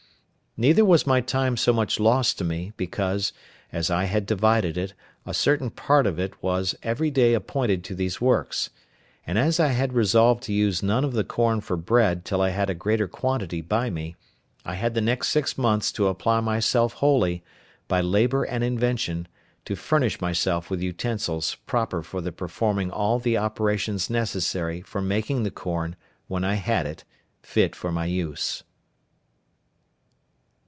Neither was my time so much loss to me, because, as I had divided it, a certain part of it was every day appointed to these works; and as I had resolved to use none of the corn for bread till I had a greater quantity by me, I had the next six months to apply myself wholly, by labour and invention, to furnish myself with utensils proper for the performing all the operations necessary for making the corn, when I had it, fit for my use.